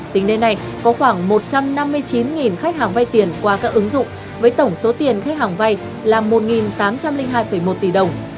tính đến nay có khoảng một trăm năm mươi chín khách hàng vay tiền qua các ứng dụng với tổng số tiền khách hàng vay là một tám trăm linh hai một tỷ đồng